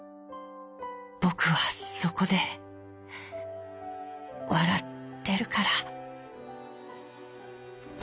ぼくはそこでわらってるから」。